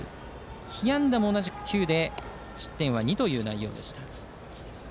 被安打も同じく９で失点は２という内容でした。